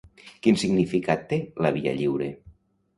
Quin significat té la Via Lliure?